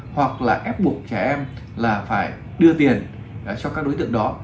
hoặc là ép buộc trẻ em là phải đưa tiền cho các đối tượng đó